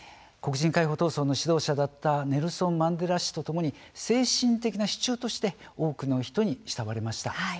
黒人解放闘争の指導者だったネルソン・マンデラ氏とともに精神的な支柱として多くの人に慕われました。